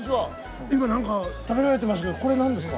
今何か食べられてますけどこれ何ですか？